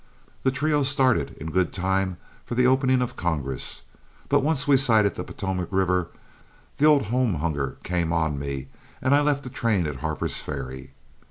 The trio started in good time for the opening of Congress, but once we sighted the Potomac River the old home hunger came on me and I left the train at Harper's Ferry.